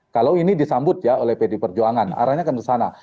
kalau ini disambut ya oleh pd perjuangan arahnya akan kesana